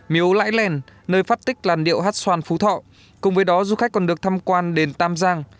miếu lãi lèn nơi phát tích làn điệu hát xoan phú thọ cùng với đó du khách còn được tham quan đền tam giang